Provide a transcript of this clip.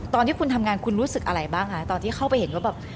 ตอนที่คุณทำงานคุณรู้สึกอะไรบ้างคะตอนที่เข้าไปเห็นว่าแบบ